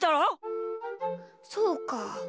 そうか。